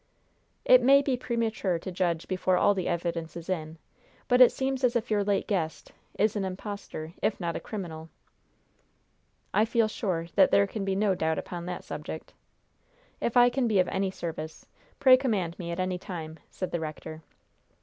"It may be premature to judge before all the evidence is in, but it seems as if your late guest is an impostor, if not a criminal." "I feel sure that there can be no doubt upon that subject." "If I can be of any service, pray command me at any time," said the rector.